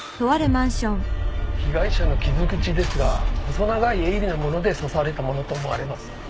被害者の傷口ですが細長い鋭利なもので刺されたものと思われます。